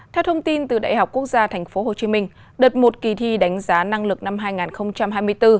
theo thông tin từ đại học quốc gia tp hcm đợt một kỳ thi đánh giá năng lực năm hai nghìn hai mươi bốn